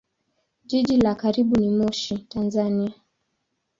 Jiji la karibu ni Moshi, Tanzania.